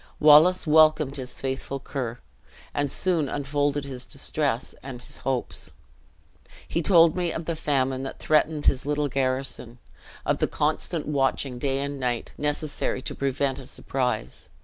Wallace welcomed his faithful Ker, and soon unfolded his distress and his hopes. He told me of the famine that threatened his little garrison; of the constant watching, day and night, necessary to prevent a surprise.